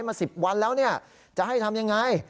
มา๑๐วันแล้วเนี่ยจะให้ทำยังไง